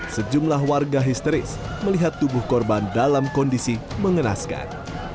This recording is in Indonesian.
sejumlah warga histeris melihat tubuh korban dalam kondisi mengenaskan